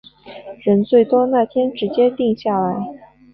人最多那天直接定下来